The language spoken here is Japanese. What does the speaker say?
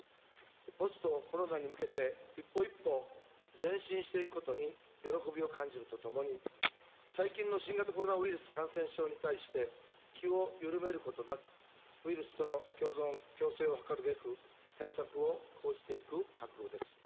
ポストコロナに向けて、一歩一歩前進していくことに喜びを感じるとともに、最近の新型コロナウイルス感染症に対して気を緩めることなく、ウイルスとの共存、共生を図るべく、対策を講じていく覚悟です。